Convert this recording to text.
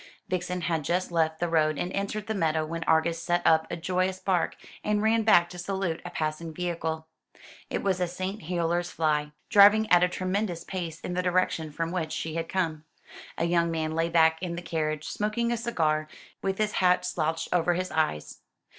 Vixen had just left the road and entered the meadow when Argus set up a joyous bark, and ran back to salute a passing vehicle. It was a St. Helier's fly, driving at a tremendous pace in the direction from which she had come. A young man lay back in the carriage, smoking a cigar, with his hat slouched over his eyes.